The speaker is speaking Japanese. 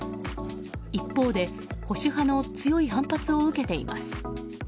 一方で保守派の強い反発を受けています。